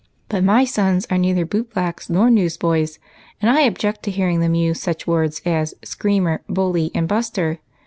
" But my sons are neither boot blacks nor news boys, and I object to hearing them use such words as * screamer,' 'bully,' and 'buster.'